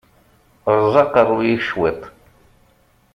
Ṛṛeẓ aqeṛṛu-yik cwiṭ!